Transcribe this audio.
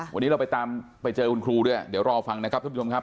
วันนี้เราไปตามไปเจอคุณครูด้วยเดี๋ยวรอฟังนะครับทุกผู้ชมครับ